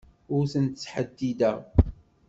Ur ten-ttḥeddideɣ.